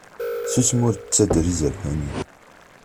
Susem ur d-ttader izerfan-im.